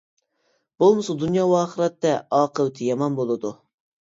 بولمىسا دۇنيا ۋە ئاخىرەتتە ئاقىۋىتى يامان بولىدۇ.